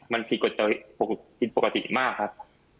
มันผิดปกติมากครับ